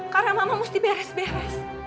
karena mama mesti beres beres